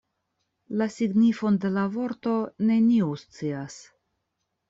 La signifon de la vorto neniu scias.